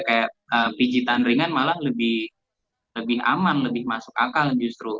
kayak pijitan ringan malah lebih aman lebih masuk akal justru